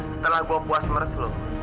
setelah gua puas meres lu